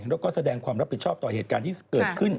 แล้วก็แสดงความรับผิดชอบต่อเหตุการณ์ที่เกิดขึ้น